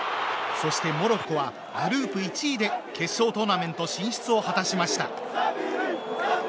そして、モロッコはグループ１位で決勝トーナメント進出を果たしました。